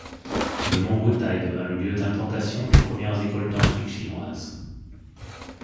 Le mont Wutai devint le lieu d’implantation des premières écoles tantriques chinoises.